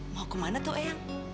mau kemana tuh eyang